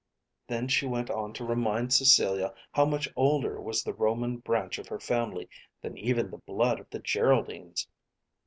Then she went on to remind Cecilia how much older was the Roman branch of her family than even the blood of the Geraldines.